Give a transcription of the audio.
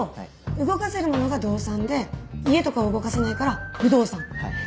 動かせるものが動産で家とかは動かせないから不動産か。